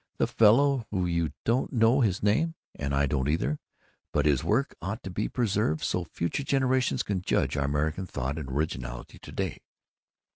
The fellow who you don't know his name and I don't either, but his work ought to be preserved so's future generations can judge our American thought and originality to day?